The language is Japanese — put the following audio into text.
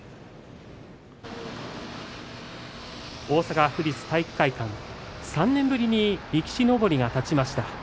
大阪府立体育会館、３年ぶりに力士のぼりが立ちました。